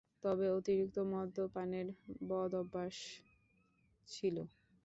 তবে অতিরিক্ত মদ্যপানের বদ অত্যাস ছিল।